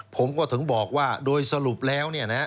ผมก็ถึงบอกว่าโดยสรุปแล้ว